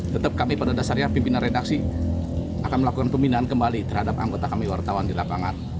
tetap kami pada dasarnya pimpinan redaksi akan melakukan pembinaan kembali terhadap anggota kami wartawan di lapangan